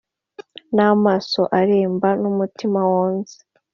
n amaso aremba n umutima wonze